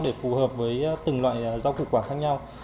để phù hợp với từng loại dao củ quả khác nhau